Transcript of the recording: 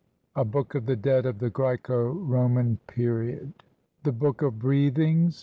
A BOOK OF THE DEAD OF THE GRAECO ROMAN PERIOD. THE BOOK OF BREATHINGS.